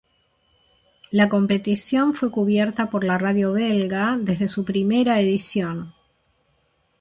La competición fue cubierta por la radio belga desde su primera edición.